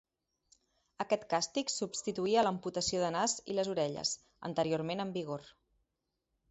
Aquest càstig substituïa a l'amputació del nas i les orelles, anteriorment en vigor.